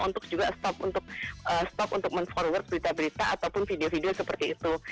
untuk juga stop untuk men forwards berita berita ataupun video video seperti itu